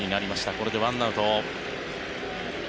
これで１アウト。